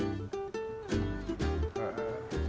へえ。